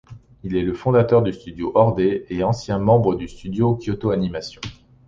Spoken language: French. Il est le fondateur du studio Ordet et ancien membre du studio Kyoto Animation.